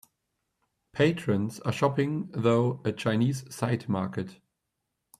Patrons are shopping though a Chinese side market.